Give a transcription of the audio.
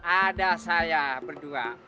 ada saya berdua